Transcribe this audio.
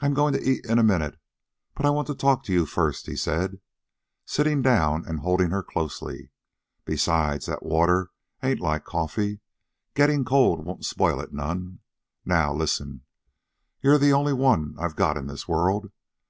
"I'm goin' to eat in a minute, but I want to talk to you first," he said, sitting down and holding her closely. "Besides, that water ain't like coffee. Gettin' cold won't spoil it none. Now, listen. You're the only one I got in this world.